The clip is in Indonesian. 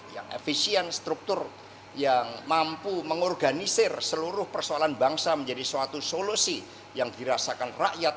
yang efisien struktur yang mampu mengorganisir seluruh persoalan bangsa menjadi suatu solusi yang dirasakan rakyat